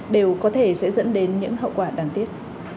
đều có thể sẽ dẫn đến những hậu quả đáng tiếc